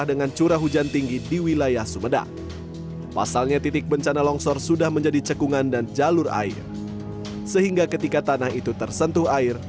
dan kemungkinan besok pagi kita akan melakukan penyisiran di sana